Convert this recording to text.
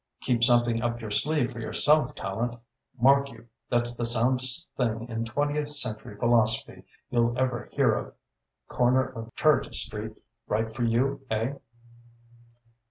Keep something up your sleeve for yourself, Tallente. Mark you, that's the soundest thing in twentieth century philosophy you'll ever hear of. Corner of Clarges Street right for you, eh?"